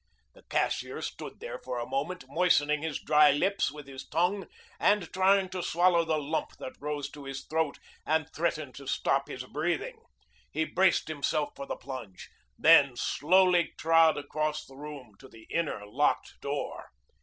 The cashier stood there for a moment, moistening his dry lips with his tongue and trying to swallow the lump that rose to his throat and threatened to stop his breathing. He braced himself for the plunge, then slowly trod across the room to the inner, locked door.